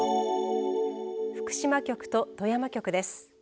福島局と富山局です。